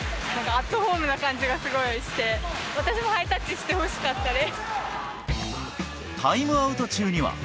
アットホームな感じがすごいして、私もハイタッチしてほしかったでタイムアウト中には。